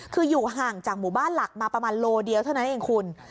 คืออยู่ห่างจากหมู่บ้านหลักมาประมาณโลเดียวเท่านั้นเองคุณ